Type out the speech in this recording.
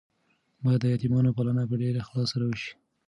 باید د یتیمانو پالنه په ډیر اخلاص سره وشي.